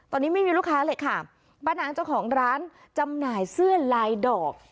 ตอนนี้ไม่มีลูกค้าเลยค่ะป้านางเจ้าของร้านจำหน่ายเสื้อลายดอก